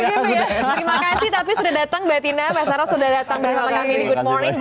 terima kasih tapi sudah datang mbak tina mbak sarah sudah datang bersama kami di good morning